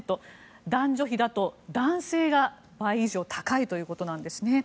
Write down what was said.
男女比だと、男性が倍以上高いということです。